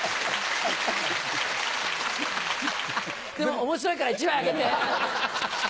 でも面白いから１枚あげて。